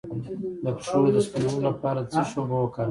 د پښو د سپینولو لپاره د څه شي اوبه وکاروم؟